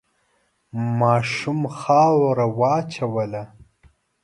ماشوم خاوره وواچوله.